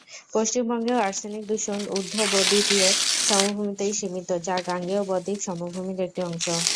পশ্চিমবঙ্গেও arsenic দূষণ ঊর্ধ-বদ্বীপীয় সমভূমিতেই সীমিত যা গাঙ্গেয় বদ্বীপ সমভূমির একটি অংশ।